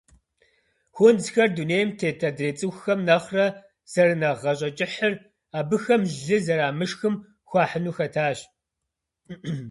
Хунзхэр дунейм тет адрей цӏыхухэм нэхърэ зэрынэхъ гъащӏэкӏыхьыр абыхэм лы зэрамышхым хуахьыну хэтащ.